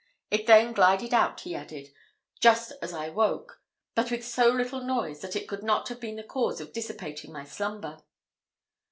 It then glided out, he added, just as I woke, but with so little noise, that it could not have been the cause of dissipating my slumber.